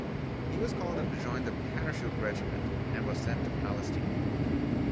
He was called up to join the Parachute Regiment, and was sent to Palestine.